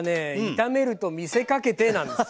炒めると見せかけてなんですよ。